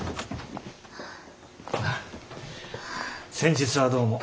ああ先日はどうも。